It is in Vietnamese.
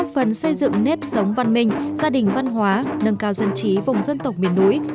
phần xây dựng nếp sống văn minh gia đình văn hóa nâng cao dân trí vùng dân tộc miền núi